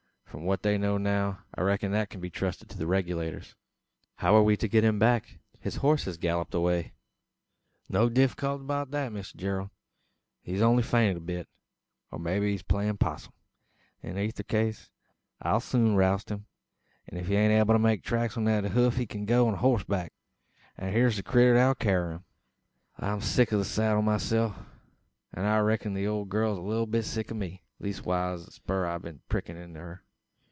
From what they know now, I reck'n that kin be trusted to the Regulators." "How are we to get him back? His horse has galloped away!" "No difeequilty beout that, Mister Gerald. He's only fainted a bit; or maybe, playin' possum. In eyther case, I'll soon roust him. If he ain't able to make tracks on the hoof he kin go a hossback, and hyur's the critter as 'll carry him. I'm sick o' the seddle myself, an I reck'n the ole gal's a leetle bit sick o' me leestwise o' the spur I've been a prickin' into her.